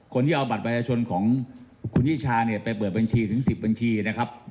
คนที่เอาบัตรประชาชนของคุณนิชาเนี่ยไปเปิดบัญชีถึง๑๐บัญชีนะครับ